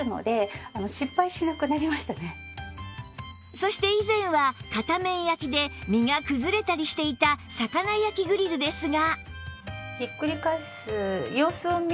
そして以前は片面焼きで身が崩れたりしていた魚焼きグリルですが